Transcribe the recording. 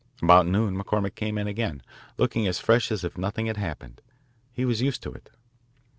About noon McCormick came in again, looking as fresh as if nothing had happened. He was used to it.